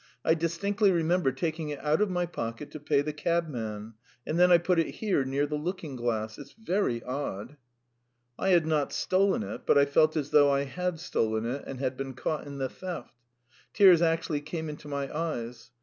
"I distinctly remember taking it out of my pocket to pay the cabman ... and then I put it here near the looking glass. It's very odd!" I had not stolen it, but I felt as though I had stolen it and had been caught in the theft. Tears actually came into my eyes.